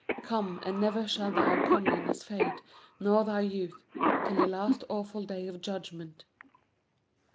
Come, and never shall thy comeliness fade, nor thy youth, till the last awful day of judgment."